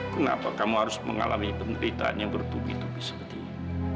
kenapa kamu harus mengalami penderitaan yang bertubi tubi seperti ini